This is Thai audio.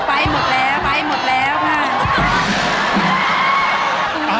ไปหมดแล้วค่ะ